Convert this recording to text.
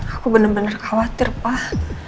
aku bener bener khawatir pak